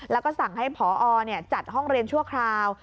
แล้วก็สั่งให้พอจัดห้องเรียนชั่วคราว